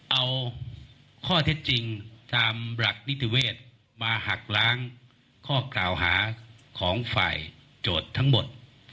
เอาข้อเท็จจริงตามหลักนิติเวศมาหักล้างข้อกล่าวหาของฝ่ายโจทย์ทั้งหมด